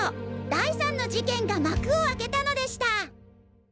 第３の事件が幕を開けたのでした」。